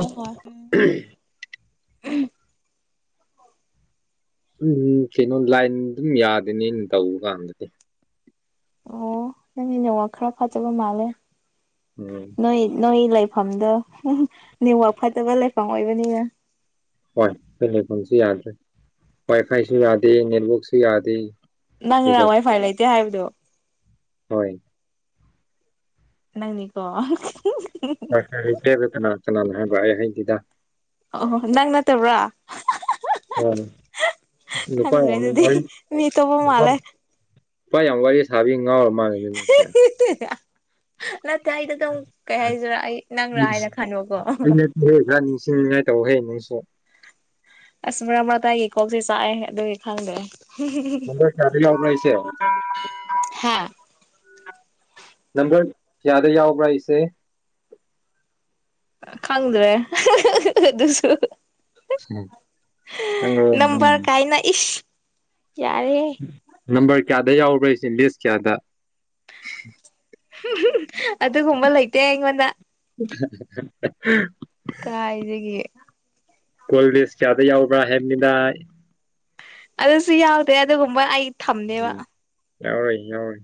ꯑꯣ ꯍꯣꯏ ꯎꯝ ꯎꯝ ꯎꯝ ꯀꯩꯅꯣ ꯂꯥꯏꯟ ꯑꯗꯨꯝ ꯌꯥꯗꯅꯦ ꯑꯩꯅ ꯇꯧꯕ ꯀꯥꯟꯗꯗꯤ ꯑꯣ ꯅꯪꯒꯤ ꯅꯦꯠꯋꯥꯛ ꯈꯔ ꯐꯠꯇꯕ ꯃꯥꯜꯂꯦ ꯎꯝ ꯅꯣꯏ ꯅꯣꯏ ꯂꯩꯐꯝꯗꯣ ꯅꯦꯋꯥꯛ ꯐꯠꯇꯕ ꯂꯩꯐꯝ ꯑꯣꯏꯕꯅꯤꯅ ꯍꯣꯏ ꯑꯩꯈꯣꯏ ꯂꯩꯐꯝꯁꯨ ꯌꯥꯗ꯭ꯔꯦ ꯋꯥꯏ ꯐꯥꯏꯁꯨ ꯌꯥꯗꯦ ꯅꯦꯠꯋꯥꯛꯁꯨ ꯌꯥꯗꯦ ꯅꯪꯔ ꯀꯩꯗꯧ ꯋꯥꯏ ꯐꯥꯏ ꯂꯩꯇꯦ ꯍꯥꯏꯕꯗꯨ ꯍꯣꯏ ꯅꯪꯅꯤꯀꯣ ꯋꯥꯏꯐꯥꯏ ꯂꯩꯇꯦ ꯀꯅꯥ ꯀꯅꯥꯅ ꯍꯥꯏꯕ ꯑꯩ ꯍꯥꯏꯗꯦꯗ ꯑꯣꯍꯣ ꯅꯪ ꯅꯠꯇꯕ꯭ꯔꯥ ꯑꯣ ꯅꯨꯄꯥ ꯈꯪꯗ꯭ꯔꯦ ꯌꯥꯝ ꯑꯗꯨꯗꯤ ꯋꯥꯔꯤ ꯃꯤ ꯑꯇꯣꯄꯥ ꯅꯨꯄꯥ ꯃꯥꯜꯂꯦ ꯅꯨꯄꯥ ꯌꯥꯝ ꯋꯥꯔꯤ ꯁꯥꯕꯒꯤ ꯉꯥꯎꯔ ꯃꯥꯜꯂꯦꯅꯦ ꯅꯪꯁꯦ ꯅꯠꯇꯦ ꯑꯩꯗꯨ ꯑꯗꯨꯝ ꯀꯩ ꯍꯥꯏꯁꯤꯔꯥ ꯑꯩ ꯅꯪꯔꯥ ꯎꯝ ꯍꯥꯏꯅ ꯈꯟꯕꯀꯣ [inaudible] ꯑꯁ ꯃꯔꯛ ꯃꯔꯛꯇꯥ ꯑꯩꯒꯤ ꯀꯣꯛꯁꯦ ꯆꯥꯛꯑꯦ ꯑꯗꯨꯒꯤ ꯈꯪꯗ꯭ꯔꯦ ꯅꯝꯕꯔ ꯀꯌꯥꯗ ꯌꯥꯎꯕ꯭ꯔꯥ ꯑꯩꯁꯦ ꯍꯥꯥ ꯅꯝꯕꯔ ꯀꯥꯌꯥꯗ ꯌꯥꯎꯕ꯭ꯔꯥ ꯑꯩꯁꯦ ꯈꯪꯗ꯭ꯔꯦ ꯑꯗꯨꯁꯨ ꯈꯪꯉꯕ ꯅꯝꯕꯔ ꯎꯝ ꯀꯥꯏꯅ ꯏꯁ ꯌꯥꯔꯦꯍꯦ ꯅꯝꯕꯔ ꯀꯌꯥꯗ ꯌꯥꯎꯕ꯭ꯔꯥ ꯑꯩꯁꯦ ꯂꯤꯁ ꯀꯌꯥꯗ ꯑꯗꯨꯒꯨꯝꯕ ꯂꯩꯇꯦ ꯑꯩꯉꯣꯟꯗ [unintelligible] ꯀꯥꯏꯗꯥꯒꯤ ꯀꯣꯂꯦꯁ ꯀꯌꯥꯗ ꯌꯥꯎꯕ꯭ꯔꯥ ꯍꯥꯏꯅꯤꯅ ꯑꯗꯨꯁꯨ ꯌꯥꯎꯗꯦ ꯑꯗꯨꯒꯨꯝꯕ ꯑꯩ ꯊꯝꯗꯦꯕ ꯎꯝ ꯌꯥꯎꯔꯣꯏ ꯌꯥꯎꯔꯣꯏ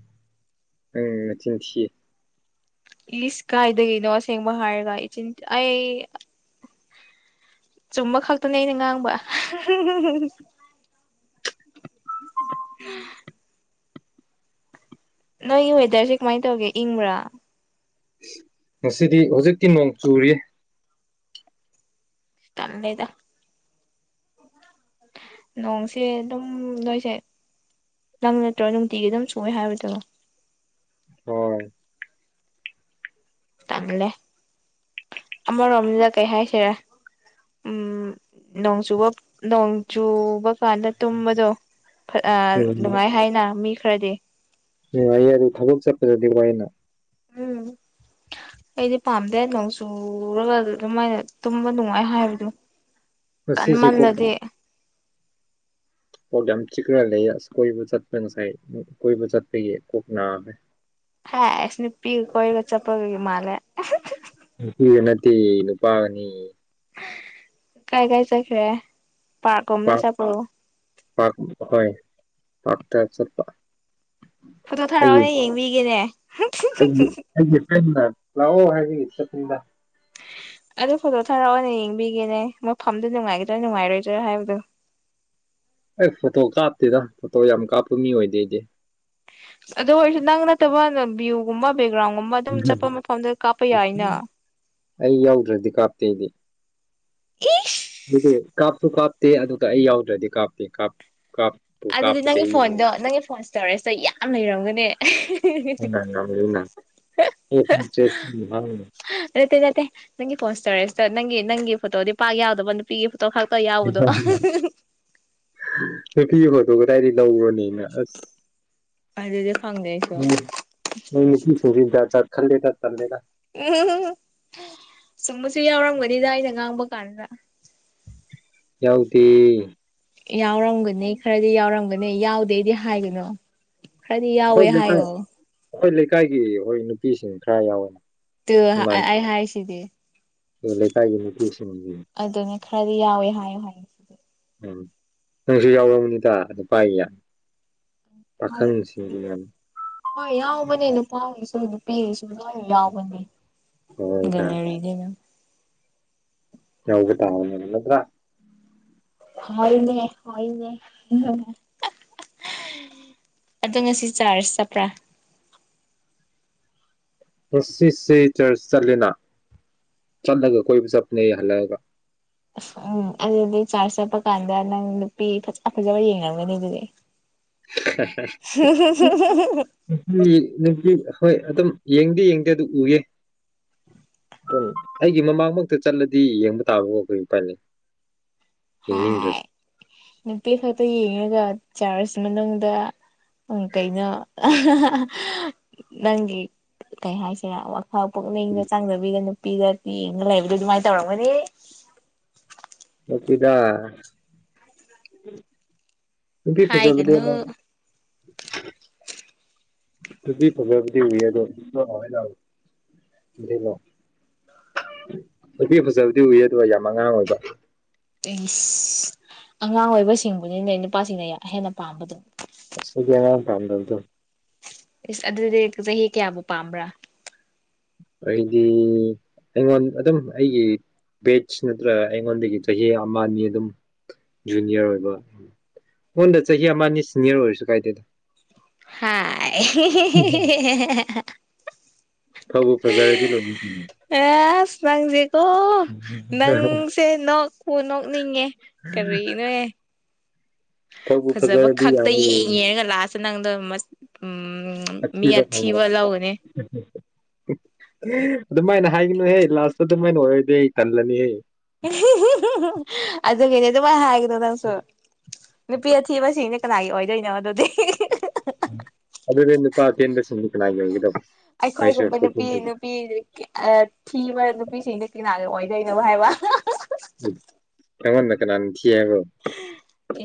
ꯅꯪ ꯅꯆꯤꯟ ꯊꯤ ꯏꯁ ꯀꯥꯏꯗꯩꯒꯤꯅꯣ ꯑꯁꯦꯡꯕ ꯍꯥꯏꯔꯒ ꯏꯆꯤꯟ ꯑꯩ ꯆꯨꯝꯕ ꯈꯛꯇꯅꯦ ꯑꯩꯅ ꯉꯥꯡꯕ ꯅꯣꯏꯒꯤ ꯋꯦꯗꯔꯁꯤ ꯀꯃꯥꯏ ꯇꯧꯒꯦ ꯏꯪꯕ꯭ꯔꯥ ꯉꯁꯤꯗꯤ ꯍꯧꯖꯤꯛꯇꯤ ꯅꯣꯡ ꯆꯨꯔꯤ ꯇꯜꯂꯦꯗꯥ ꯅꯣꯡꯁꯤ ꯑꯗꯨꯝ ꯅꯣꯏꯁꯦ ꯅꯪ ꯅꯠꯇ꯭ꯔꯣ ꯅꯨꯡꯇꯤꯒꯤ ꯑꯗꯨꯝ ꯆꯨꯏꯌꯦ ꯍꯥꯏꯕꯗꯨ ꯍꯣꯏ ꯇꯜꯂꯦ ꯑꯃ ꯔꯣꯝꯗ ꯀꯩ ꯍꯥꯏꯁꯤꯔꯥ ꯎꯝ ꯅꯣꯡꯆꯨꯕ ꯅꯣꯡꯆꯨꯕ ꯀꯥꯟꯗ ꯇꯨꯝꯕꯗꯣ ꯑ ꯎꯝ ꯅꯨꯡꯉꯥꯏ ꯍꯥꯏꯅ ꯃꯤ ꯈꯔꯗꯤ ꯅꯨꯡꯉꯥꯏꯌꯦ ꯑꯗꯣ ꯊꯕꯛ ꯆꯠꯄꯗꯗꯤ ꯋꯥꯏꯌꯦꯅ ꯎꯝ ꯑꯩꯗꯤ ꯄꯥꯝꯗꯦ ꯅꯣꯡ ꯆꯨꯔꯒ ꯑꯗꯨꯃꯥꯏꯅ ꯇꯨꯝꯕ ꯅꯨꯡꯉꯥꯏ ꯍꯥꯏꯕꯗꯨ ꯉꯁꯤꯁꯦ ꯀꯣꯛ ꯀꯟꯃꯜꯂꯗꯤ ꯀꯣꯛ ꯌꯥꯝ ꯆꯤꯛꯈ꯭ꯔꯥ ꯂꯩꯌꯦ ꯑꯁ ꯀꯣꯏꯕ ꯆꯠꯄ ꯉꯁꯥꯏ ꯀꯣꯏꯕ ꯆꯠꯄꯒꯤ ꯀꯣꯛ ꯅꯥꯕꯩ ꯍꯩꯁ ꯅꯨꯄꯤꯒ ꯀꯣꯏꯕ ꯆꯠꯄꯒꯤ ꯃꯥꯜꯂꯦ ꯅꯨꯄꯤꯒ ꯅꯠꯇꯤꯌꯦ ꯅꯨꯄꯥꯒꯅꯦ ꯀꯥꯏ ꯀꯥꯏ ꯆꯠꯈ꯭ꯔꯦ ꯄꯥꯔ꯭ꯛ ꯀꯨꯝꯕꯗ ꯆꯠꯄ꯭ꯔꯣ ꯄꯥꯔ꯭ꯛ ꯀꯨꯝꯕ ꯍꯣꯏ ꯄꯥꯔ꯭ꯛꯇ ꯆꯠꯄ ꯐꯣꯇꯣ ꯊꯥꯔꯛꯑꯣꯅꯦ ꯑꯩꯒꯤ ꯌꯦꯡꯕꯤꯒꯦꯅꯦ ꯑꯩꯒꯤ ꯑꯩꯒꯤ ꯐ꯭ꯔꯦꯟꯗꯅ ꯂꯥꯛꯑꯣ ꯍꯥꯏꯕꯒꯤ ꯆꯠꯄꯅꯤꯗ ꯑꯗꯨ ꯐꯣꯇꯣ ꯊꯥꯔꯛꯑꯣꯅꯦ ꯌꯦꯡꯕꯤꯒꯦꯅꯦ ꯃꯐꯝꯗꯨ ꯅꯨꯡꯉꯥꯏꯒꯗ꯭ꯔꯥ ꯅꯨꯡꯉꯥꯏꯔꯣꯏꯗ꯭ꯔꯥ ꯍꯥꯏꯕꯗꯣ ꯑꯩ ꯐꯣꯇꯣ ꯀꯥꯞꯇꯦꯗ ꯐꯣꯇꯣ ꯌꯥꯝ ꯀꯥꯞꯄ ꯃꯤ ꯑꯣꯏꯗꯦ ꯑꯩꯗꯤ ꯑꯗꯨ ꯑꯣꯏꯔꯁꯨ ꯅꯪ ꯅꯠꯇꯕ ꯅꯥꯄꯤꯒꯨꯝꯕ ꯕꯦꯛꯒ꯭ꯔꯥꯎꯟꯒꯨꯝꯕ ꯑꯗꯨꯝ ꯆꯠꯄ ꯃꯐꯝꯗ ꯀꯥꯞꯄ ꯌꯥꯏꯅ ꯑꯩ ꯌꯥꯎꯗ꯭ꯔꯥꯗꯤ ꯀꯥꯞꯇꯦ ꯑꯩꯗꯤ ꯏꯁ ꯑꯗꯨꯒ ꯀꯥꯞꯁꯨ ꯀꯥꯞꯇꯦ ꯑꯗꯨꯒ ꯑꯩ ꯌꯥꯎꯗ꯭ꯔꯥꯗꯤ ꯀꯥꯞꯇꯦ ꯀꯥꯞ ꯀꯥꯞ ꯑꯗꯨꯗꯤ ꯅꯪꯒꯤ ꯐꯣꯟꯗꯣ ꯅꯪꯒꯤ ꯐꯣꯟ ꯁ꯭ꯇꯣꯔꯦꯖꯇꯣ ꯌꯥꯝ ꯂꯩꯔꯝꯒꯅꯤ ꯑꯦ ꯐꯟ ꯆꯦꯁ ꯐꯟ ꯉꯥꯛꯉꯨꯅꯨ ꯅꯠꯇꯦ ꯅꯠꯇꯦ ꯅꯪꯒꯤ ꯐꯣꯟ ꯁ꯭ꯇꯣꯔꯦꯖꯇꯣ ꯅꯪꯒꯤ ꯅꯪꯒꯤ ꯐꯣꯇꯣꯗꯤ ꯄꯥꯛ ꯌꯥꯎꯗꯕ ꯅꯨꯞ ꯄꯤꯒꯤ ꯐꯣꯇꯣ ꯈꯛꯇ ꯌꯥꯎꯕꯗꯣ ꯅꯨꯄꯤꯒꯤ ꯐꯣꯇꯣ ꯀꯗꯥꯏꯗꯒꯤ ꯂꯧꯕ꯭ꯔꯥꯅꯦ ꯑꯁ ꯑꯗꯨꯗꯤ ꯈꯪꯗꯦ ꯑꯩꯁꯨ ꯅꯨꯞ ꯅꯪ ꯅꯨꯄꯤ [unintelligible] ꯆꯠ ꯈꯜꯂꯦꯗ ꯇꯜꯂꯦꯗ ꯎꯝ ꯆꯨꯝꯕꯁꯨ ꯌꯥꯎꯔꯝꯒꯅꯤꯗ ꯑꯩꯅ ꯉꯥꯡꯕ ꯀꯥꯟꯗ ꯌꯥꯎꯗꯦ ꯌꯥꯎꯔꯝꯒꯅꯤ ꯈꯔꯗꯤ ꯌꯥꯎꯔꯝꯒꯅꯤ ꯌꯥꯎꯗꯦꯗꯤ ꯍꯥꯏꯒꯅꯣ ꯑꯩꯈꯣꯏ ꯂꯩꯀꯥꯏ ꯑꯩꯈꯣꯏ ꯂꯩꯀꯥꯏꯒꯤ ꯍꯣꯏ ꯅꯨꯄꯤꯁꯤꯡ ꯈꯔ ꯌꯥꯎꯋꯦ ꯇꯨ ꯑꯩ ꯑꯩ ꯍꯥꯏꯁꯤꯗꯤ ꯇꯨ ꯂꯩꯀꯥꯏꯒꯤ ꯅꯨꯄꯤꯁꯤꯡꯗꯤ ꯑꯗꯨꯅꯦ ꯈꯔꯗꯤ ꯌꯥꯎꯋꯦ ꯍꯥꯏꯌꯨ ꯍꯥꯏ ꯎꯝ ꯅꯪꯁꯨ ꯌꯥꯎꯔꯝꯅꯤꯗ ꯅꯨꯄꯥꯒꯤ ꯄꯥꯈꯪꯁꯤꯡꯒꯤ ꯍꯥꯏꯗꯦ ꯌꯥꯝ ꯍꯣꯏ ꯌꯥꯎꯕꯅꯦ ꯅꯨꯄꯥꯒꯤꯁꯨ ꯅꯨꯄꯤꯒꯤꯁꯨ ꯂꯣꯏꯅ ꯌꯥꯎꯕꯅꯦ ꯍꯣꯏꯗ ꯒꯦꯂꯔꯤꯅꯤꯅ ꯌꯥꯎꯕ ꯇꯥꯕꯅꯦ ꯅꯠꯇ꯭ꯔꯥ ꯍꯣꯢꯅꯦ ꯍꯣꯢꯅꯦ [unintelligible] ꯑꯗꯣ ꯉꯁꯤ ꯆꯔꯆ ꯆꯠꯄ꯭ꯔꯥ ꯉꯁꯤꯁꯦ ꯆꯔꯆ ꯆꯠꯂꯦꯅ ꯆꯠꯂꯒ ꯀꯣꯏꯕ ꯆꯠꯄꯅꯦ ꯍꯜꯂꯛꯑꯒ ꯑꯁ ꯎꯝ ꯑꯗꯨꯗꯤ ꯆꯔꯆ ꯆꯠꯄ ꯀꯥꯟꯗ ꯅꯪ ꯅꯨꯄꯤ ꯐꯖ ꯐꯖꯕ ꯌꯦꯡꯉꯝꯒꯅꯤ ꯑꯗꯨꯗꯤ [inaudible] ꯅꯨꯄꯤ ꯅꯨꯄꯤ ꯍꯣꯏ ꯑꯗꯨꯝ ꯌꯦꯡꯗꯤ ꯌꯦꯡꯗꯦ ꯑꯗꯨꯝ ꯎꯌꯦ ꯑꯗꯨ ꯑꯩꯒꯤ ꯃꯃꯥꯡꯃꯛꯇ ꯆꯠꯂꯗꯤ ꯌꯦꯡꯕ ꯇꯥꯕꯀꯣ ꯀꯩ ꯎꯄꯥꯥꯏ ꯂꯩ ꯍꯥꯏ ꯌꯦꯡꯅꯤꯡꯗ꯭ꯔꯁꯨ ꯅꯨꯄꯤ ꯈꯛꯇ ꯌꯦꯡꯉꯒ ꯆꯔꯆ ꯃꯅꯨꯡꯗ ꯀꯩꯅꯣ ꯅꯪꯒꯤ ꯀꯩ ꯍꯥꯏꯁꯤꯔ ꯋꯥꯛ ꯍ ꯄꯨꯛꯅꯤꯡꯒ ꯆꯥꯡꯗꯕꯤꯒ ꯅꯨꯄꯤꯒ ꯌꯦꯡꯉꯒ ꯂꯩꯕꯗꯣ ꯑꯗꯨꯃꯥꯏ ꯇꯧꯔꯝꯒꯅꯤ ꯇꯧꯗꯦꯗ ꯅꯨꯄꯤ ꯐꯖꯕꯗꯣ ꯑꯃ ꯍꯥꯏꯒꯅꯨ [inaudible] ꯅꯨꯄꯤ ꯐꯖꯕꯗꯤ ꯎꯏꯌꯦ ꯑꯗꯣ [inaudible] ꯑꯗꯨꯅ ꯅꯨꯄꯤ ꯐꯖꯕꯗꯤ ꯎꯏꯌꯦ ꯑꯗꯨ ꯌꯥꯝ ꯑꯉꯥꯡ ꯑꯣꯏꯕ ꯏꯁ ꯑꯉꯥꯡ ꯑꯣꯏꯕꯁꯤꯡꯕꯨꯅꯤꯅꯦ ꯅꯨꯄꯥꯁꯤꯡꯅ ꯌꯥ ꯍꯦꯟꯅ ꯄꯥꯝꯕꯗꯣ ꯑꯁ ꯑꯩꯗꯤ ꯑꯉꯥꯡ ꯄꯥꯝꯗꯕꯗꯣ ꯏꯁ ꯑꯗꯨꯗꯤ ꯆꯍꯤ ꯀꯌꯥꯕꯨ ꯄꯥꯝꯕ꯭ꯔꯥ ꯑꯩꯗꯤ ꯑꯩꯉꯣꯟ ꯑꯗꯨꯝ ꯑꯩꯒꯤ ꯕꯦꯠꯁ ꯅꯠꯇ꯭ꯔ ꯑꯩꯉꯣꯟꯗꯒꯤ ꯆꯍꯤ ꯑꯃ ꯑꯅꯤ ꯑꯗꯨꯝ ꯖꯨꯅꯤꯌꯔ ꯑꯣꯏꯕ ꯉꯣꯟꯗ ꯆꯍꯤ ꯑꯃꯅꯤ ꯁꯤꯅꯤꯌꯔ ꯑꯣꯏꯔꯁꯨ ꯀꯥꯏꯗꯦꯗ ꯍꯥꯏ ꯐꯕꯨ ꯐꯖꯔꯗꯤ ꯂꯣꯏꯅ ꯎꯝ ꯑꯦꯁ ꯅꯪꯁꯦꯀꯣ ꯅꯪꯁꯦ ꯅꯣꯛꯄꯨ ꯅꯣꯛꯅꯤꯡꯉꯦ ꯀꯔꯤꯅꯣꯍꯦ ꯇꯧꯕꯨ ꯐꯖꯕ ꯐꯖꯔꯗꯤ ꯈꯛꯇ ꯌꯥꯔꯦ ꯌꯦꯡꯉꯦꯔꯒ ꯂꯥꯁꯇ ꯅꯪꯗꯣ ꯎꯝ ꯃꯤ ꯑꯊꯤꯕ ꯂꯧꯒꯅꯤ [unintelligible] ꯑꯗꯨꯃꯥꯏꯅ ꯍꯥꯏꯒꯅꯨꯍꯦ ꯂꯥꯁꯇ ꯑꯗꯨꯃꯥꯏꯅ ꯑꯣꯏꯔꯗꯤ ꯑꯩ ꯇꯜꯂꯅꯤꯍꯦ ꯑꯗꯨꯒꯤꯅꯤ ꯑꯗꯨꯃꯥꯏ ꯍꯥꯏꯒꯅꯣ ꯅꯪꯁꯨ ꯅꯨꯄꯤ ꯑꯊꯤꯕꯅꯁꯤꯡ ꯅꯦ ꯀꯅꯥꯏ ꯑꯣꯏꯗꯣꯏꯅꯣ ꯑꯗꯨꯗꯤ ꯎꯝ ꯑꯗꯨꯗꯤ ꯅꯨꯄꯥ ꯑꯇꯦꯟꯕꯁꯤꯡꯗꯤ ꯀꯅꯥꯏꯒꯤ ꯑꯣꯏꯒꯗꯧꯕ ꯑꯩꯈꯣꯏꯒꯨꯝꯕ ꯅꯨꯄꯤ ꯅꯨꯄꯤꯗꯤ ꯑꯊꯤꯕ ꯅꯨꯄꯤꯁꯤꯡꯗꯤ ꯀꯅꯥꯒꯤ ꯑꯣꯏꯗꯣꯏꯅꯣ ꯍꯥꯏꯕ ꯍꯨꯝ ꯅꯥꯉꯣꯟꯗꯥ ꯀꯅꯥꯥꯅ ꯊꯤ ꯍꯥꯏꯕ꯭ꯔꯣ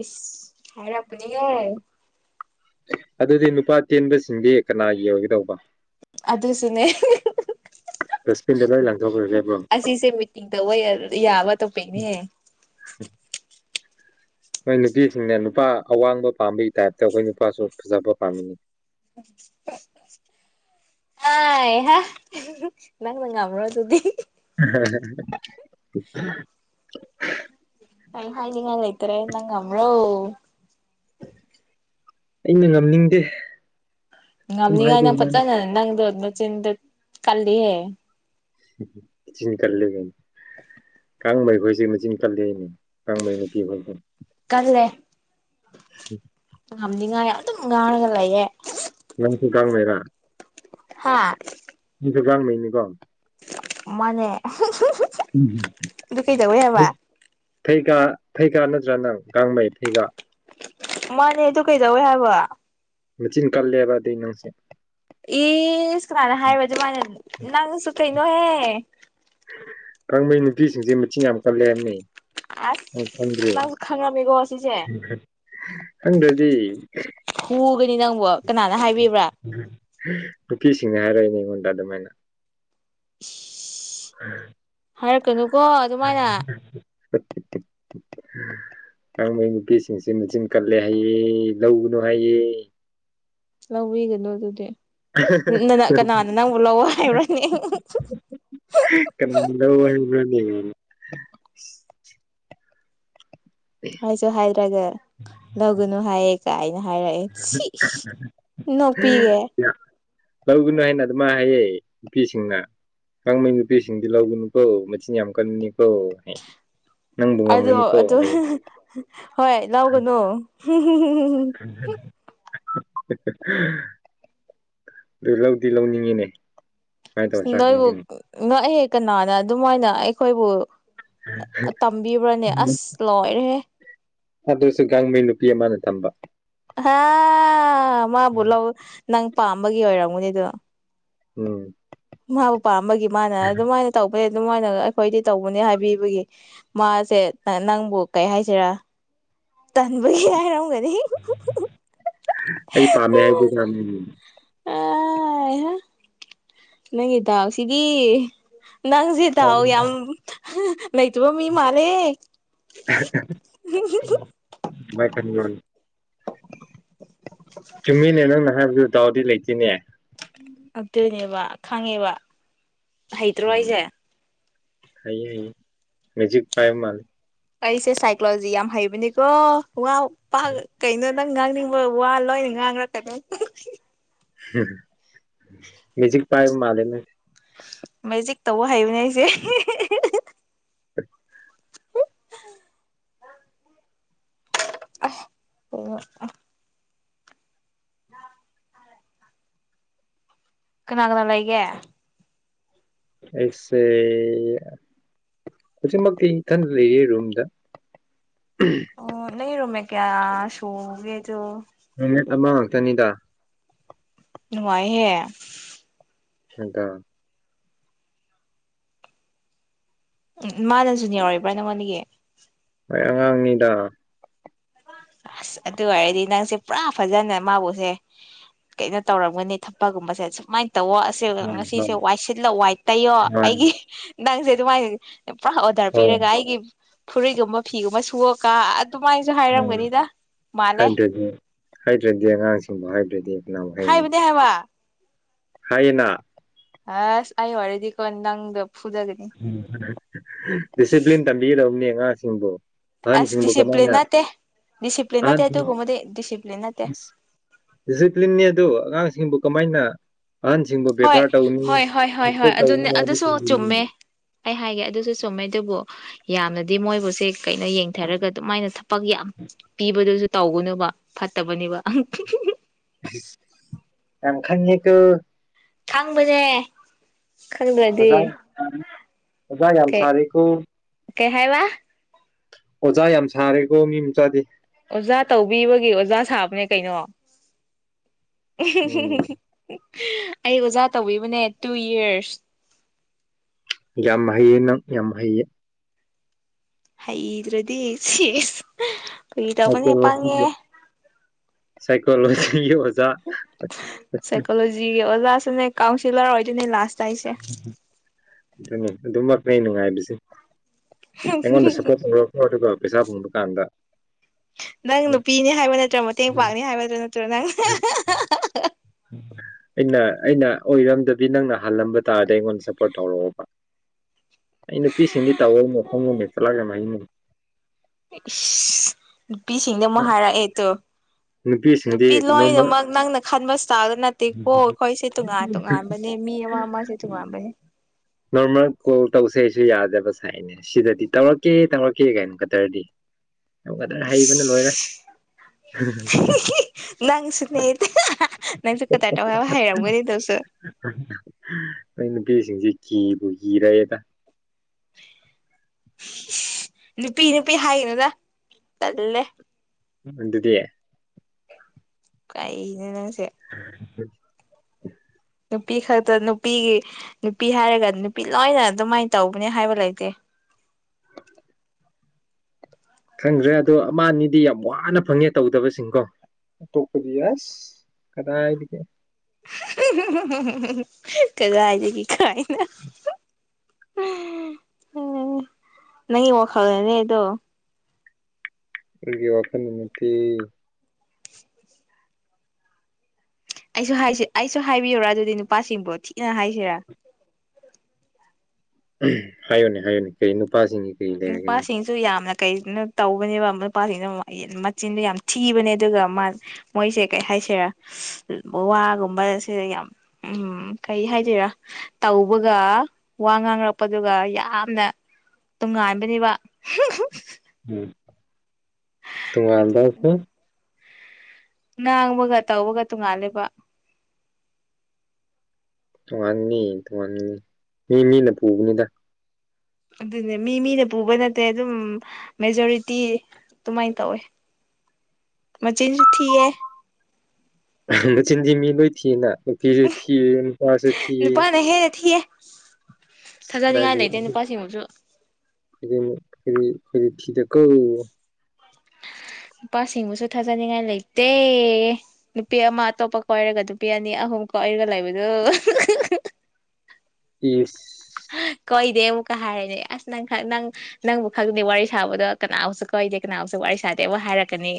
ꯏꯁ ꯍꯥꯏꯔꯛꯀꯥꯅꯤꯌꯦ ꯑꯗꯨꯗꯤ ꯅꯨꯄꯥ ꯇꯦꯟꯕꯁꯤꯡꯗꯤ ꯀꯅꯥꯒꯤ ꯑꯣꯏꯒꯗꯧꯕ ꯑꯗꯨꯁꯨꯨꯅꯦ ꯗꯁꯕꯤꯟ ꯂꯣꯏꯅ ꯂꯥꯡꯊꯣꯛꯈ꯭ꯔꯁꯦꯕꯣ ꯇꯤꯡ ꯇꯧꯋꯦ ꯌꯥꯗ ꯇꯣꯄꯩꯅꯦ ꯅꯣꯏ ꯅꯨꯄꯤꯁꯤꯡꯅ ꯅꯨꯄꯥ ꯑꯋꯥꯡꯕ ꯄꯥꯝꯕꯩ ꯇꯥꯏꯞꯇ ꯑꯩꯈꯣꯏ ꯅꯨꯄꯥꯁꯨ ꯐꯖꯕ ꯄꯥꯝꯃꯤꯅꯤ [unintelligible] ꯑꯥꯏ ꯍꯥꯏ ꯅꯪꯅ ꯉꯝꯔꯣ ꯗꯨꯗꯤ [unintelligible] ꯑꯩ ꯍꯥꯏꯅꯤꯡꯉꯥꯏ ꯂꯩꯇꯔꯦ ꯅꯪ ꯉꯝꯔꯣ ꯑꯩꯅ ꯉꯝꯅꯤꯡꯗꯦ ꯑꯗꯨꯝ ꯉꯝꯅꯤꯉꯥꯏ ꯅꯪ ꯍꯥꯏꯕꯒꯤ ꯋꯥꯅꯤ ꯐꯖꯅ ꯅꯪꯗꯣ ꯅꯆꯤꯟꯗꯣ ꯀꯜꯂꯤꯍꯦ ꯆꯤꯟ ꯀꯜꯂꯦ ꯒꯥꯏꯅ ꯀꯥꯡ ꯂꯩꯕꯩꯁꯦ ꯃꯆꯤꯟ ꯀꯜꯂꯤꯅꯦ ꯀꯥꯡꯃꯩꯩꯅ ꯄꯤꯕꯗꯣ ꯀꯜꯂꯦ ꯉꯝꯅꯤꯉꯥꯏ ꯑꯗꯨꯝ ꯉꯥꯡꯂꯒ ꯂꯩꯌꯦ ꯅꯪꯁꯨ ꯀꯥꯡꯃꯦꯔꯥ ꯍꯥꯥ ꯅꯪ ꯁꯦ ꯒꯥꯡꯃꯩꯅꯤꯀꯣ ꯃꯥꯅꯦ ꯎꯝ ꯑꯗꯨ ꯀꯩꯗꯧꯋꯦ ꯊ ꯍꯥꯏꯕ ꯊꯩꯒ ꯊꯩꯒ ꯅꯗ꯭ꯔ ꯅꯪ ꯀꯥꯡꯃꯩ ꯊꯩꯒ ꯃꯥꯅꯦ ꯑꯗꯨ ꯀꯩꯗꯧꯋꯦ ꯍꯥꯏꯕ ꯃꯆꯤꯟ ꯀꯜꯂꯦꯕ ꯑꯗꯨꯏ ꯅꯪꯁꯦ ꯏꯁ ꯀꯅꯥꯅ ꯍꯥꯏꯕ ꯑꯗꯨꯃꯥꯏꯅ ꯅꯪꯁꯨ ꯀꯩꯅꯣꯍꯦ ꯀꯪꯕꯩ ꯅꯨꯄꯤꯁꯤꯡꯁꯦ ꯃꯆꯤꯟ ꯌꯥꯝ ꯀꯜꯂꯦ ꯍꯥꯏꯕꯅꯦ ꯑꯁ ꯅꯡꯁꯨ ꯈꯪꯉꯝꯃꯦ [unintelligible] ꯈꯪꯗ꯭ꯔꯗꯤ ꯍꯨꯒꯅꯤ ꯅꯪꯕꯣ ꯀꯅꯥꯅ ꯍꯥꯏꯕꯤꯕ꯭ꯔꯥ ꯅꯨꯄꯤꯁꯤꯡꯅ ꯍꯥꯏꯔꯛꯏꯅꯦ ꯑꯩꯉꯣꯟꯗ ꯑꯗꯨꯃꯥꯏꯅ ꯍꯥꯏꯔꯛꯀꯅꯨꯀꯣ ꯑꯗꯨꯃꯥꯏꯅ [inaudible] ꯀꯥꯡꯃꯩ ꯅꯨꯄꯤꯁꯤꯡꯁꯤ ꯃꯦꯆꯤꯟ ꯀꯜꯂꯦ ꯍꯥꯏꯌꯦ ꯂꯧꯒꯅꯨ ꯍꯥꯏꯌꯦ ꯂꯧꯕꯤꯒꯅꯨ ꯑꯗꯨꯗꯤ ꯅ ꯀꯅꯥꯅ ꯅꯪꯕꯨ ꯂꯧ ꯍꯥꯏꯕ꯭ꯔꯅꯤ [unintelligible] ꯍꯥꯏꯁꯨ ꯍꯥꯏꯗ꯭ꯔꯒ ꯂꯧꯒꯅꯨ ꯍꯥꯏꯌꯦ ꯀꯥꯏꯅ ꯍꯥꯏꯔꯛꯑꯦ ꯁꯤ ꯁꯤ ꯅꯣꯛꯄꯤꯒꯦ ꯂꯧꯒꯅꯨ ꯍꯥꯏꯅ ꯑꯗꯨꯃ ꯍꯥꯏꯌꯦ ꯅꯨꯄꯤꯁꯤꯡꯅ ꯀꯥꯡꯃꯩ ꯅꯨꯄꯤꯁꯤꯡꯗꯤ ꯂꯧꯒꯅꯨꯀꯣ ꯃꯆꯤꯟ ꯌꯥꯝ ꯀꯟꯕꯅꯤꯀꯣ ꯍꯦ ꯑꯗꯣ ꯑꯗꯨ ꯍꯣꯏ ꯂꯥꯎꯒꯅꯨ [inaudible] ꯗꯨ ꯂꯧꯗꯤ ꯂꯧꯅꯤꯡꯉꯤꯅꯦ ꯀꯃꯥꯏ ꯇꯧꯁꯤꯔꯥ ꯅꯣꯏꯕꯨ ꯈꯪꯗꯦꯅꯦ ꯅꯣꯏ ꯑꯩꯍꯦꯛ ꯀꯅꯥꯅ ꯑꯗꯨꯃꯥꯏꯅ ꯑꯩꯈꯣꯏꯕꯨ ꯇꯝꯕꯤꯕ꯭ꯔꯅꯦ ꯑꯁ ꯂꯣꯏꯔꯦꯍꯦ ꯑꯗꯨꯁꯨ ꯒꯥꯡꯃꯩ ꯅꯨꯄꯤ ꯑꯃꯅ ꯇꯝꯕ ꯍꯥ ꯃꯥꯕꯨ ꯂꯧ ꯅꯪ ꯄꯥꯝꯕꯒꯤ ꯑꯣꯏꯔꯝꯒꯅꯤꯗꯣ ꯎꯝ ꯃꯥꯕꯨ ꯄꯥꯝꯕꯒꯤ ꯃꯥꯅ ꯑꯗꯨꯃꯥꯏꯅ ꯇꯧꯕꯦ ꯑꯗꯨꯃꯥꯏꯒꯅ ꯑꯩꯈꯣꯏꯗꯤ ꯇꯧꯕꯅꯦ ꯍꯥꯏꯕꯤꯕꯒꯤ ꯃꯥꯁꯦ ꯅꯪꯕꯨ ꯀꯩ ꯍꯥꯏꯁꯤꯔꯥ ꯇꯟꯕꯒꯤ ꯍꯥꯏꯔꯝꯒꯅꯤ ꯑꯩ ꯄꯥꯝꯃꯦ ꯍꯥꯏꯗꯨ ꯌꯥꯅꯤꯡꯉꯤ ꯑꯥꯢ ꯍꯥ ꯅꯪꯒꯤ ꯗꯥꯎ ꯁꯤꯒꯤ ꯅꯪꯖꯦ ꯗꯥꯎ ꯌꯥꯝ ꯍꯥ ꯂꯩꯇꯕꯥ ꯃꯤ ꯃꯥꯜꯂꯦ ꯃꯥꯏ ꯈꯟꯕ꯭ꯔꯣꯅꯦ ꯆꯨꯝꯃꯤꯅꯦ ꯅꯪꯅ ꯍꯥꯏꯕꯗꯨ ꯗꯥꯥꯎꯗꯤ ꯂꯩꯇꯦꯅꯦ ꯑꯗꯨꯅꯦꯕ ꯈꯪꯉꯦꯕ ꯍꯩꯇ꯭ꯔꯣ ꯎꯝ ꯑꯩꯁꯦ ꯍꯩꯌꯦ ꯍꯩꯌꯦ ꯃꯦꯖꯤꯛ ꯄꯥꯏ ꯃꯥꯜꯂꯦ ꯑꯩꯁꯦ ꯁꯥꯏꯀꯣꯂꯣꯖꯤ ꯌꯥꯝ ꯍꯩꯕꯅꯤꯀꯣ ꯋꯥꯎ ꯄꯥ ꯀꯩꯅꯣ ꯅꯪ ꯉꯥꯡꯅꯤꯡꯕ ꯋꯥ ꯂꯣꯏꯅ ꯉꯥꯡꯂꯛꯀꯅꯤ ꯃꯦꯖꯤꯛ ꯄꯥꯏ ꯃꯥꯜꯂꯦ ꯅꯡꯁꯦ ꯃꯩꯖꯤꯛ ꯇꯧꯕ ꯍꯥꯏꯕꯅꯦ ꯑꯩꯁꯦ [inaudible] ꯑꯣ ꯀꯅꯥꯒꯅ ꯂꯩ ꯒꯦ ꯑꯩꯁꯦ ꯍꯨꯖꯤꯛꯃꯛꯇ ꯑꯩ ꯏꯊꯟꯗ ꯂꯩꯌꯦ ꯔꯨꯝꯗ ꯑꯣ ꯅ ꯔꯨꯝꯃꯦꯠ ꯀꯌꯥ ꯁꯨꯒꯦ ꯑꯗꯨ ꯔꯨꯝꯃꯦꯠ ꯑꯃ ꯉꯛꯇꯅꯤꯗ ꯅꯨꯡꯉꯥꯏꯍꯦ [inaudible] ꯎꯝ ꯃꯥꯅ ꯖ꯭ꯌꯥꯔ ꯑꯣꯏꯕ꯭ꯔꯥ ꯅꯪꯉꯣꯟꯒꯤ ꯍꯣꯏ ꯑꯉꯥꯡꯅꯤꯗ ꯑꯁ ꯑꯗꯨ ꯑꯣꯏꯔꯗꯤ ꯅꯪꯁꯦ ꯄꯨꯔꯥ ꯐꯖꯅ ꯃꯥꯎꯁꯦ ꯀꯩꯅꯣ ꯇꯧꯔꯝꯒꯅꯤ ꯊꯛꯄꯒꯨꯝꯕꯁꯦ ꯁꯨꯃꯥꯏꯟ ꯇꯧꯋꯣ ꯑꯁꯦꯡꯕ ꯎꯝ ꯉꯁꯤꯁꯦ ꯍꯣꯏ ꯋꯥꯏ ꯁꯤꯜꯂ ꯋꯥꯏ ꯇꯩꯌꯣ ꯍꯣꯏ ꯑꯩꯒꯤ ꯅꯪꯁꯦ ꯗꯨꯃꯥꯏ ꯄꯨꯔꯥ ꯑꯣꯗꯔ ꯄꯤꯔꯒ ꯍꯣꯏ ꯑꯩꯒꯤ ꯐꯨꯔꯤꯠꯒꯨꯝꯕ ꯐꯤꯒꯨꯝꯕ ꯁꯨꯋꯀ ꯑꯗꯨꯃꯥꯏꯅꯖꯨ ꯎꯝ ꯍꯥꯏꯔꯝꯒꯅꯤ ꯍꯥꯏꯗ꯭ꯔꯗꯤ ꯍꯥꯏꯗ꯭ꯔꯗꯤ ꯑꯉꯥꯡꯁꯤꯡꯕꯨ ꯍꯥꯏꯗ꯭ꯔꯗꯤ ꯀꯅꯥꯕꯨ ꯍꯥꯏꯅꯤ ꯍꯥꯏꯕꯗꯤ ꯍꯥꯏꯕ ꯍꯥꯏꯌꯦꯅ ꯑꯁ ꯑꯩ ꯑꯣꯏꯔꯗꯤꯀꯣ ꯅꯪꯗꯣ ꯐꯨꯗꯒꯅꯤ ꯗꯤꯁꯤꯄ꯭ꯂꯤꯟ ꯇꯝꯕꯤꯒꯗꯕꯅꯤ ꯑꯉꯥꯡꯁꯤꯡꯕꯨ ꯑꯁ ꯑꯍꯟꯁꯤꯡꯕꯨ ꯗꯤꯁꯤꯄ꯭ꯂꯤꯟ ꯀꯃꯥꯏꯅ ꯅꯠꯇꯦ ꯗꯤꯁꯤꯄ꯭ꯂꯤꯟ ꯑꯍꯟ ꯅꯠꯇꯦ ꯑꯇꯨꯒꯨꯝꯕꯗꯤ ꯗꯤꯁꯤꯄ꯭ꯂꯤꯟ ꯅꯠꯇꯦ ꯗꯤꯁꯤꯄ꯭ꯂꯤꯟꯅꯤ ꯑꯗꯨ ꯑꯉꯥꯡꯁꯤꯡꯕꯨ ꯀꯃꯥꯏꯅ ꯑꯍꯟꯁꯤꯡꯕꯨ ꯕꯦꯕꯥꯔ ꯍꯣꯏ ꯇꯧꯅꯤ ꯍꯣꯏ ꯍꯣꯏ ꯍꯣꯏ ꯍꯣꯏ ꯑꯗꯨꯅꯦ ꯑꯗꯨꯁꯨ ꯆꯨꯝꯃꯦ [inaudible] ꯑꯩ ꯍꯥꯏꯒꯦ ꯑꯗꯨꯁꯨ ꯆꯨꯝꯃꯦ ꯑꯗꯨꯕꯨ ꯌꯥꯝꯅꯗꯤ ꯃꯣꯏꯕꯨꯁꯦ ꯀꯩꯅꯣ ꯌꯦꯡꯊꯔꯒ ꯑꯗꯨꯃꯥꯏꯅ ꯊꯕꯛ ꯌꯥꯝ ꯄꯤꯕꯗꯨꯖꯨ ꯇꯧꯒꯅꯨꯕ ꯐꯠꯇꯕꯅꯦꯕ ꯌꯥꯝ ꯈꯪꯉꯦꯀꯣ ꯈꯪꯕꯅꯦ ꯈꯪꯗ꯭ꯔꯗꯤ ꯑꯣꯖꯥ ꯑꯣꯖꯥ ꯌꯥꯝ ꯀꯩ ꯁꯥꯔꯤꯀꯣ ꯀꯩ ꯍꯥꯏ ꯋꯥ ꯑꯣꯖꯥ ꯌꯥꯝ ꯁꯥꯔꯦꯀꯣ ꯃꯤ ꯃꯆꯥꯥꯗꯤ ꯑꯣꯖꯥ ꯇꯧꯕꯤꯕꯒꯤ ꯑꯣꯖꯥ ꯁꯥꯕꯅꯦ ꯀꯩꯅꯣ ꯎꯝ ꯑꯩ ꯑꯣꯖꯥ ꯇꯧꯕꯤꯕꯅꯦ ꯇꯨ ꯌꯔꯁ ꯌꯥꯝ ꯍꯩꯌꯦ ꯅꯪ ꯌꯥꯝ ꯍꯩꯌꯦ ꯍꯩꯗ꯭ꯔꯗꯤ ꯁꯤꯁ ꯐꯒꯤ ꯇꯧꯕꯅꯦ ꯁꯥꯏꯀꯣꯖꯤꯒꯤ ꯄꯪꯉꯦ ꯑꯣ ꯁꯥꯏꯀꯣꯂꯣꯖꯤꯒꯤ ꯑꯣ ꯖꯥ ꯖꯤ ꯑꯣꯂꯥꯁꯨꯅꯦ ꯀꯥꯎꯟꯁꯤꯂꯔ ꯑꯣꯏꯗꯩꯅꯦ ꯂꯥꯁ ꯑꯗꯨꯅꯤ ꯑꯗꯨꯃꯛꯅꯦ ꯑꯩ ꯉꯥꯏꯕꯁꯦ ꯑꯩꯉꯣꯟꯗ ꯁꯞꯄꯣꯔꯠ ꯇꯧꯔꯣꯀꯣ ꯑꯗꯨꯒ ꯄꯩꯁꯥ ꯐꯪꯕꯀꯥꯟꯗ ꯅꯪ ꯅꯨꯄꯤꯅꯤ ꯍꯥꯏꯕ ꯅꯠꯇ꯭ꯔꯣ ꯃꯇꯦꯡ ꯄꯥꯡꯅꯤ ꯍꯥꯏꯕꯗꯣ ꯅꯠꯇ꯭ꯔꯣ ꯅꯪ [inaudible] ꯑꯩꯅ ꯑꯩꯅ ꯑꯣꯏꯔꯝꯗꯕꯤ ꯅꯪꯅ ꯍꯜꯂꯝꯕ ꯇꯥꯔꯗꯤ ꯑꯩꯉꯣꯟꯗ ꯁꯞꯄꯣꯔꯠ ꯇꯧꯔꯛꯑꯣꯕ ꯑꯩ ꯅꯨꯄꯤꯁꯤꯡꯗꯤ ꯇꯧ [unintelligible] ꯏꯁ ꯅꯨꯄꯤꯁꯤꯡꯗꯤ ꯑꯃꯨꯛ ꯍꯥꯏꯔꯛꯑꯦ ꯇꯨ ꯅꯨꯄꯤꯁꯤꯡꯗꯤ ꯅꯨꯄꯤ ꯅꯣꯔꯃꯦꯜ ꯂꯣꯏꯅꯃꯛ ꯅꯪꯅ ꯈꯟꯕ ꯏꯁꯇꯥꯏꯜꯗꯣ ꯅꯠꯇꯦꯀꯣ ꯑꯩꯈꯣꯏꯁꯦ ꯇꯣꯉꯥꯟ ꯇꯣꯉꯥꯟꯕ ꯅꯦ ꯃꯤ ꯑꯃ ꯑꯃꯁꯦ ꯇꯨꯉꯥꯟꯕꯅꯦ ꯅꯣꯔꯃꯦꯜ ꯀꯣꯜ ꯇꯧꯁꯦꯁꯨ ꯌꯥꯗꯕ ꯁꯥꯏꯅꯦ ꯁꯤꯗꯗꯤ ꯇꯧꯔꯛꯀꯦ ꯇꯧꯔꯛꯀꯦꯒꯥꯏꯅ ꯀꯗꯔꯗꯤ ꯇꯣ ꯀꯗꯔ ꯍꯩꯕꯅ ꯂꯣꯏꯔꯦ [unintelligible] ꯅꯪꯁꯨꯅꯦꯗ ꯅꯪꯁꯨ ꯀꯗꯥꯔ ꯇꯧ ꯌꯥꯝ ꯍꯩꯔꯝꯒꯅꯤ ꯇꯧꯁꯨ [inaudible] ꯅꯣꯏ ꯅꯨꯄꯤꯁꯤꯡꯖꯤ ꯀꯤꯕꯨ ꯀꯤꯔꯑꯦꯗ ꯁꯤ ꯏꯁ ꯅꯨꯄꯤ ꯅꯨꯄꯤ ꯍꯥꯏꯒꯅꯨꯗ ꯇꯜꯂꯦ ꯑꯗꯨꯗꯤ ꯀꯥꯅꯣ ꯅꯪꯁꯦ [unintelligible] ꯅꯨꯄꯤ ꯈꯛꯇ ꯅꯨꯄꯤꯒꯤ ꯅꯨꯄꯤ ꯍꯥꯏꯔꯒ ꯅꯨꯄꯤ ꯂꯣꯏꯅ ꯑꯗꯨꯃꯥꯏ ꯇꯧꯕꯅꯦ ꯍꯥꯏꯕ ꯂꯩꯇꯦ ꯈꯪꯈ꯭ꯔꯦ ꯑꯗꯣ ꯑꯃ ꯑꯅꯤꯗꯤ ꯌꯥꯝ ꯋꯥꯅ ꯐꯪꯉꯦ ꯇꯧꯗꯕꯁꯤꯡꯀꯣ ꯑꯇꯣꯞꯄꯗꯤ ꯑꯁ ꯀꯗꯥꯏꯗꯒꯤ [unintelligible] ꯀꯗꯥꯏꯗꯒꯤ ꯀꯥꯏꯅ [unintelligible] ꯅꯪꯒꯤ ꯋꯥꯈꯜꯅꯅꯦ ꯑꯗꯣ ꯑꯩꯒꯤ ꯋꯥꯈꯜ ꯑꯃꯨꯛꯇꯤ ꯑꯩꯁꯨ ꯍꯥꯏꯁꯤ ꯑꯩꯁꯨ ꯍꯥꯏꯕꯤꯌꯨꯔ ꯑꯗꯨꯗꯤ ꯅꯨꯄꯥꯁꯤꯡꯕꯣ ꯊꯤꯅ ꯍꯥꯏꯁꯤꯔ ꯎꯝ ꯍꯥꯏꯌꯨꯅꯦ ꯍꯥꯏꯌꯨꯅꯦ ꯀꯔꯤ ꯅꯨꯄꯥꯁꯤꯡꯒꯤ ꯀꯔꯤ ꯂꯩꯔꯒꯦ ꯅꯪ ꯅꯨꯄꯥꯁꯤꯡ ꯑꯗꯨ ꯌꯥꯝꯅ ꯀꯩꯅꯣ ꯇꯧꯕꯅꯦꯕ ꯅꯨꯄꯥꯁꯤꯡꯅ ꯑꯃꯨꯛ ꯑꯩ ꯆꯤꯟꯗꯣ ꯌꯥꯝ ꯊꯤꯕꯅꯦ ꯑꯗꯨꯒ ꯃꯥ ꯃꯣꯏꯖꯦ ꯀꯩ ꯍꯥꯏꯁꯤꯔ ꯋꯥꯒꯨꯝꯕ ꯁꯤ ꯌꯥꯝ ꯎꯝ ꯀꯩ ꯍꯥꯏꯗꯣꯏꯔ ꯇꯧꯕꯒ ꯋꯥ ꯉꯥꯡꯉꯛꯄꯗꯨꯒ ꯌꯥꯝꯅ ꯅꯨꯡꯉꯥꯏꯕꯅꯦꯕ [unintelligible] ꯎꯝ ꯑꯗꯨ ꯇꯨꯡꯉꯥꯟꯕ ꯀꯣ ꯉꯥꯡꯕꯒ ꯇꯧꯕꯒ ꯇꯣꯡꯉꯥꯜꯂꯦꯕ ꯇꯣꯉꯥꯟꯅꯤ ꯇꯣꯉꯥꯟꯅꯤ ꯃꯤ ꯃꯤꯅ ꯄꯨꯕꯅꯤꯗ ꯑꯗꯨꯅꯦ ꯃꯤ ꯃꯤꯅ ꯄꯨꯕ ꯅꯠꯇꯦ ꯑꯗꯨꯝ ꯃꯦꯖꯣꯔꯤꯇꯤ ꯑꯗꯨꯃꯥꯏ ꯇꯧꯋꯦ ꯃꯆꯤꯟꯖꯨ ꯊꯤꯌꯦ ꯃꯆꯤꯟꯗꯤ ꯃꯤ ꯂꯣꯏ ꯊꯤꯅ ꯅꯨꯄꯤꯖꯨ ꯊꯤ ꯅꯨꯄꯥꯖꯨ ꯊꯤꯌꯦ ꯍꯣꯏꯍꯦ ꯊꯤꯌꯦ ꯊꯥꯖꯅꯤꯡꯉꯥꯏ ꯂꯩꯇꯦ ꯅꯨꯄꯥꯁꯤꯡꯕꯨꯁꯨ [unintelligible] ꯊꯤꯗꯀꯣ ꯅꯨꯄꯥꯁꯤꯡꯕꯨꯁꯨ ꯊꯥꯖꯅꯤꯡꯉꯥꯏ ꯂꯩꯇꯦ ꯅꯨꯄꯤ ꯑꯃ ꯑꯇꯣꯞꯄ ꯀꯣꯏꯔꯒ ꯅꯨꯄꯤ ꯑꯅꯤ ꯑꯍꯨꯝ ꯀꯣꯏꯔꯒ ꯂꯩꯕꯗꯣ [unintelligible] ꯏꯁ ꯀꯣꯏꯗꯦ ꯑꯃꯨꯛꯀ ꯍꯥꯏꯔꯦ ꯑꯁ ꯅꯪ ꯈꯛ ꯅꯪ ꯅꯪꯕꯨ ꯈꯪꯗꯦ ꯋꯥꯔꯤ ꯁꯥꯕꯗꯣ ꯀꯅꯥꯕꯨꯁꯨ ꯀꯣꯏꯗꯦ ꯀꯅꯥꯕꯨꯁꯨ ꯋꯥꯔꯤ ꯁꯥꯗꯦ ꯑꯃꯨꯛꯀ ꯍꯥꯏꯔꯛꯀꯅꯤ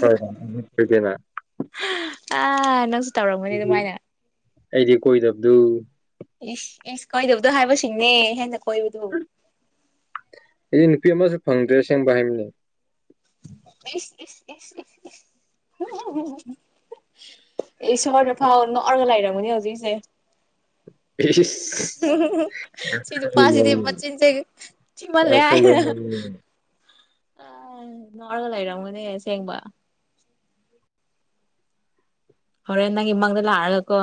ꯍꯣꯏ ꯍꯣꯏ ꯀꯣꯏꯗꯦꯅ ꯑꯥ ꯅꯪꯖꯨ [unintelligible] [inaudible] ꯑꯩꯗꯤ ꯀꯣꯏꯗꯕꯗꯨ ꯏꯁ ꯏꯁ ꯀꯣꯏꯗꯕꯗꯨ ꯍꯥꯏꯕꯁꯤꯡꯅꯦ ꯍꯦꯟꯅ ꯀꯣꯏꯕꯗꯨ ꯑꯩꯗꯤ ꯅꯨꯄꯤ ꯑꯃꯖꯨ ꯐꯪꯗ꯭ꯔꯦ ꯑꯁꯦꯡꯕ ꯍꯥꯏꯕꯅꯤ ꯏꯁ ꯏꯁ ꯏꯁ ꯏꯁ ꯏꯁ [unintelligible] ꯏꯁꯣꯔꯅꯐꯥꯎ ꯅꯣꯛꯑꯔꯒ ꯂꯩꯔꯝꯒꯅꯤ ꯍꯧꯖꯤꯛꯁꯦ ꯏꯁ [unintelligible] ꯁꯤ ꯅꯨꯄꯥꯖꯤꯗꯤ ꯃꯆꯤꯟꯖꯦ ꯃꯜꯂꯦ ꯌꯥꯝ ꯍꯥꯏ ꯈꯪꯕ [unintelligible] ꯃꯤꯅꯤꯅꯦ ꯑꯥ ꯅꯣꯛꯔꯒ ꯂꯩꯔꯝꯒꯅꯦ ꯑꯁꯦꯡꯕ ꯍꯣꯔꯦꯟ ꯅꯪꯒꯤ ꯃꯪꯗ ꯂꯥꯛꯑꯒꯀꯣ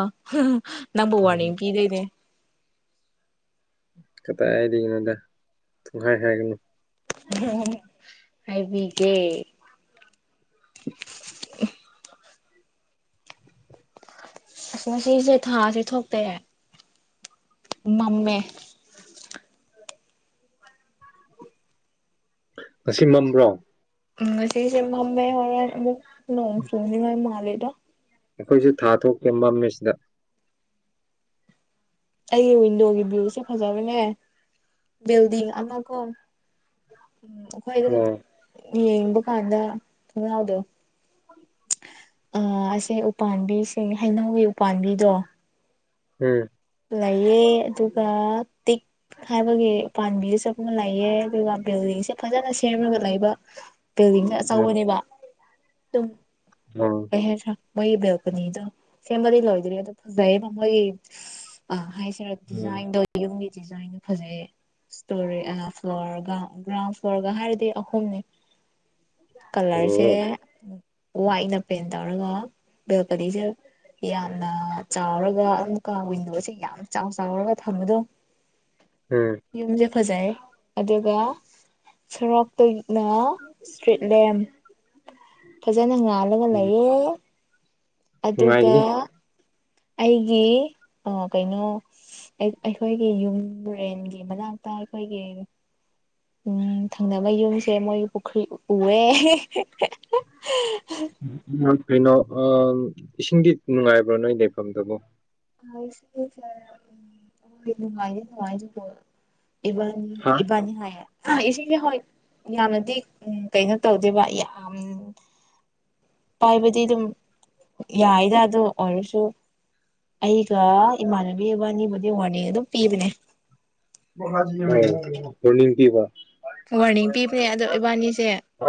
ꯅꯪꯕꯨ ꯎꯝ ꯋꯥꯔꯅꯤꯡ ꯄꯤꯗꯨꯏꯅꯦ ꯀꯗꯥꯏꯗꯩꯅꯣꯗ ꯄꯡꯍꯥꯏ ꯍꯥꯏꯒꯅꯨ [unintelligible] ꯍꯥꯏꯕꯤꯒꯦ ꯑꯁ ꯉꯁꯤꯖꯦ ꯊꯥꯗꯤ ꯊꯣꯛꯇꯦ ꯃꯝꯃꯦ ꯉꯁꯤ ꯃꯝꯕ꯭ꯔꯣ ꯎꯝ ꯉꯁꯤꯁꯦ ꯃꯝꯃꯦ ꯍꯣꯔꯦꯟ ꯑꯃꯨꯛ ꯅꯣꯡ ꯆꯨꯅꯤꯉꯥꯏ ꯃꯥꯜꯂꯤꯗ ꯑꯩꯈꯣꯏꯖꯨ ꯊꯥ ꯊꯣꯛꯇꯦ ꯃꯝꯃꯦ ꯁꯤꯗ ꯑꯩꯒꯤ ꯋꯤꯟꯗꯣꯒꯤ ꯚ꯭ꯌꯨꯁꯦ ꯐꯖꯕꯅꯦ ꯕꯤꯜꯗꯤꯡ ꯑꯃꯒꯨꯝ ꯎꯝ ꯑꯩꯈꯣꯏ ꯑꯗꯨꯝ ꯑꯣ ꯌꯦꯡꯕ ꯀꯥꯟꯗ ꯊꯣꯡꯅꯥꯎꯗꯣ ꯑꯥ ꯑꯁꯦ ꯎꯄꯥꯟꯕꯤꯁꯤꯡ ꯍꯩꯅꯧꯒꯤ ꯎꯄꯥꯟꯕꯤꯗꯣ ꯎꯝ ꯂꯩꯌꯦ ꯑꯗꯨꯒ ꯇꯤꯛ ꯍꯥꯏꯕꯒꯤ ꯄꯥꯟꯕꯤꯁꯨ [unintelligible] ꯂꯩꯌꯦ ꯑꯗꯨꯒ ꯕꯤꯜꯗꯤꯡꯁꯨ ꯐꯖꯅ ꯁꯦꯝꯔꯒ ꯂꯩꯕ ꯕꯤꯜꯂꯤꯡꯅ ꯑꯣ ꯑꯆꯧꯕꯅꯦꯕ ꯇꯨꯝ ꯅꯣ ꯀꯩ ꯍꯥꯏꯁꯤꯔ ꯃꯣꯏꯒꯤ ꯕꯦꯜꯀꯣꯅꯤꯗꯣ ꯁꯦꯝꯕꯗꯤ ꯂꯣꯏꯗ꯭ꯔꯤ ꯑꯗꯣ ꯐꯖꯩꯌꯦꯕ ꯃꯣꯏꯒꯤ ꯑ ꯍꯥꯏꯁꯤꯔ ꯎꯝ ꯗꯤꯖꯥꯏꯟꯗꯣ ꯌꯨꯝꯒꯤ ꯗꯤꯖꯥꯏꯟꯗꯣ ꯐꯖꯩꯌꯦ ꯏꯁꯇꯣꯔꯤ ꯑꯥ ꯐ꯭ꯂꯣꯔꯒ ꯒ꯭ꯔꯥꯎꯟ ꯐ꯭ꯂꯣꯔꯒ ꯍꯥꯏꯔꯗꯤ ꯑꯍꯨꯝꯅꯤ ꯀꯂꯔꯁꯦ ꯑꯣ ꯋꯥꯏꯠꯅ ꯄꯦꯟ ꯇꯧꯔꯒ ꯕꯦꯜꯀꯅꯤꯖꯦ ꯌꯥꯝꯅ ꯆꯥꯎꯔꯒ ꯑꯃꯨꯛꯀ ꯋꯤꯟꯗꯣꯁꯦ ꯌꯥꯝ ꯆꯥꯎ ꯆꯥꯎꯔꯒ ꯊꯝꯕꯗꯣ ꯎꯝ ꯌꯨꯝꯖꯦ ꯐꯖꯩ ꯑꯗꯨꯒ ꯁꯔꯣꯛꯇꯩꯅ ꯏꯁꯇ꯭ꯔꯤꯠ ꯂꯦꯝ ꯐꯖꯅ ꯉꯥꯜꯂꯒ ꯎꯝ ꯂꯩꯌꯦ ꯑꯗꯨꯒ ꯅꯨꯡꯉꯥꯏꯒꯅꯤ ꯑꯩꯒꯤ ꯑꯥ ꯀꯩꯅꯣ ꯑꯩ ꯑꯩꯈꯣꯏꯒꯤ ꯌꯨꯝ ꯔꯦꯟꯒꯤ ꯃꯅꯥꯛꯇ ꯑꯩꯈꯣꯏꯒꯤ ꯎꯝ ꯊꯪꯅꯕꯩ ꯌꯨꯝꯁꯦ ꯃꯣꯏꯒꯤ ꯄꯨꯈ꯭ꯔꯤ ꯎ ꯎꯋꯦ ꯎꯝ ꯎꯝꯃ ꯀꯩꯅꯣ ꯑ ꯏꯁꯤꯡꯗꯤ ꯅꯨꯡꯉꯥꯏꯕ꯭ꯔꯣ ꯅꯣꯏ ꯂꯩꯐꯝꯗꯨꯕꯣ ꯑꯥꯏꯁ [unintelligible] ꯅꯨꯡꯉꯥꯏꯗꯤ ꯅꯨꯉꯥꯏ ꯑꯗꯨꯕꯨ ꯏꯕꯥꯟ__ ꯑꯩ ꯍꯥ ꯏꯕꯥꯅꯤ ꯍꯥꯏꯌꯦ ꯑ ꯏꯁꯤꯡꯒꯤ ꯍꯣꯏ ꯌꯥꯝꯅꯗꯤ ꯎꯝ ꯀꯩꯅꯣ ꯇꯧꯗꯦꯕ ꯌꯥꯝ__ ꯄꯥꯏꯕꯗꯤ ꯑꯗꯨꯝ ꯌꯥꯏꯗ ꯑꯗꯨ ꯑꯣꯏꯔꯁꯨ ꯑꯩꯒ ꯏꯃꯥꯟꯅꯕꯤ ꯑꯕꯅꯤꯕꯨꯗꯤ ꯋꯥꯔꯅꯤꯡ ꯑꯗꯨꯝ ꯄꯤꯕꯅꯦ ꯑꯣ ꯋꯥꯔꯅꯤꯡ ꯄꯤꯕ ꯋꯥꯔꯅꯤꯡ ꯄꯤꯕꯅꯦ ꯑꯗꯣ ꯏꯕꯥꯅꯤꯁꯦ [unintelligible]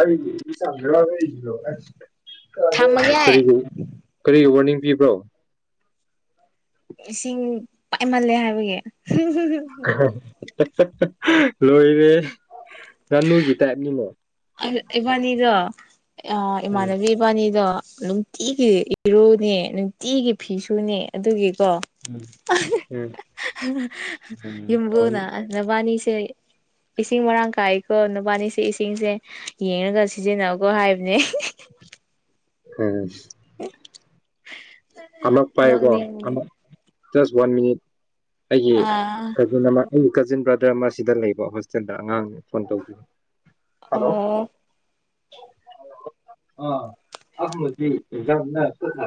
ꯊꯝꯃꯒꯦ ꯀꯔꯤꯒꯤ ꯀꯔꯤꯒꯤ ꯋꯥꯔꯅꯤꯡ ꯄꯤꯕ꯭ꯔꯣ ꯏꯁꯤꯡ ꯄꯥꯏꯃꯜꯂꯦ ꯍꯥꯏꯕꯒꯤ ꯍ ꯂꯣꯏꯔꯦ ꯉꯥꯅꯨꯒꯤ ꯇꯥꯏꯞꯅꯤꯅꯦ ꯑꯠ ꯏꯕꯥꯅꯤꯗꯣ ꯑꯥ ꯎꯝ ꯏꯃꯥꯟꯅꯕꯤ ꯏꯕꯥꯅꯤꯗꯣ ꯅꯨꯡꯇꯤꯒꯤ ꯏꯔꯨꯅꯦ ꯅꯨꯡꯇꯤꯒꯤ ꯐꯤꯁꯨꯅꯦ ꯑꯗꯨꯒꯤꯀꯣ ꯎꯝ ꯌꯨꯝꯕꯨꯅ ꯎꯝ ꯅꯕꯥꯅꯤꯁꯦ ꯏꯁꯤꯡ ꯃꯔꯥꯡ ꯀꯥꯏꯀꯣ ꯅꯕꯥꯅꯤꯁꯦ ꯏꯁꯤꯡꯁꯦ ꯌꯦꯡꯉꯒ ꯁꯤꯖꯤꯟꯅꯧꯀꯣ ꯍꯥꯏꯕꯅꯦ ꯎꯝ ꯑꯃꯛ ꯄꯥꯏꯌꯨꯀꯣ ꯅꯣꯛꯅꯤꯡꯕꯅꯦ ꯑꯃꯛ ꯖꯁ ꯋꯥꯟ ꯃꯤꯅꯤꯠ ꯑꯩꯒꯤ ꯑꯥ ꯀꯖꯤꯟ ꯑꯃ ꯑꯩꯒꯤ ꯀꯖꯤꯟ ꯕ꯭ꯔꯗꯔ ꯑꯃ ꯁꯤꯗ ꯂꯩꯕ ꯍꯣꯁꯇꯦꯜꯗ ꯑꯉꯥꯡꯅꯦ ꯐꯣꯟ ꯇꯧꯕꯤꯌꯣ ꯍꯂꯣ ꯑꯣ ꯑꯥ ꯑꯛ ꯂꯣꯏꯗꯤ ꯑꯦꯛꯖꯥꯝꯅ [unintelligible]